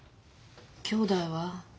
きょうだいは？